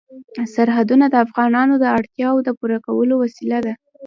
سرحدونه د افغانانو د اړتیاوو د پوره کولو وسیله ده.